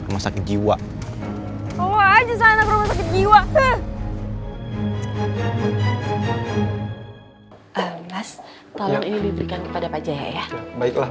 nah syukur deh